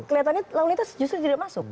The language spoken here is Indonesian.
kelihatannya launitas justru tidak masuk